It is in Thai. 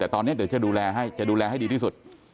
แต่ตอนนี้เดี๋ยวจะดูแลให้จะดูแลให้ดีที่สุด